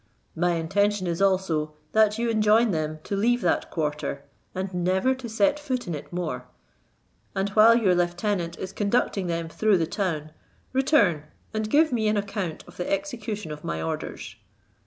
My intention is also, that you enjoin them to leave that quarter, and never to set foot in it more: and while your lieutenant is conducting them through the town, return, and give me an account of the execution of my orders."